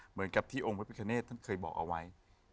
เหมือนกับที่พระพิการเนธเคยบอกเอาไว้